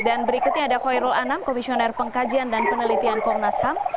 dan berikutnya ada khoirul anam komisioner pengkajian dan penelitian komnas ham